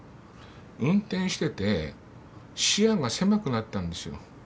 運転していて視野が狭くなったんですよ。